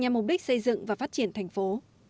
nhằm mục đích xây dựng và phát triển thành phố